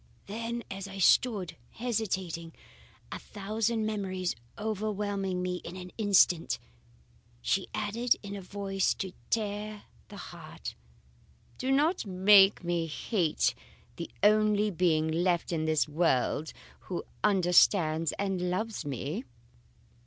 Then as I stood hesitating, a thousand memories overwhelming me in an instant, she added in a voice to tear the heart, 'Do not make me hate the only being left in this world who understands and loves me.